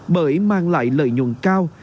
bởi mang lại lợi nhuận cao